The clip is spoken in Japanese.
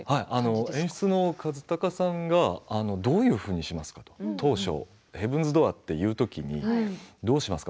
演出の渡辺一貴さんがどういうふうにしますか、と当初、ヘブンズ・ドアーと言うときにどうしますか？